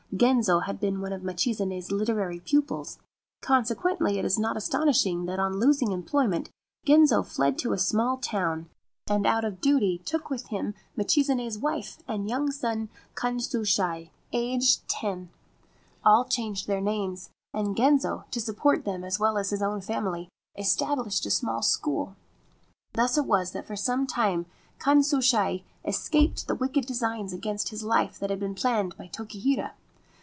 Genzo had been one of Michizane's literary pupils ; con sequently it is not astonishing that on losing employment, Genzo fled to a small town, and out of duty took with him Michizane's wife and young son Kanshusai, aged Ancient Tales and Folklore of Japan ten. All changed their names, and Genzo, to support them as well as his own family, established a small school. Thus it was that for some time Kanshusai escaped the wicked designs against his life that had been planned by Tokihira.